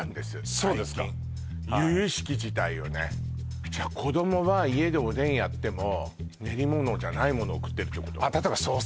そうですか最近じゃ子供は家でおでんやっても練り物じゃないものを食ってるってこと？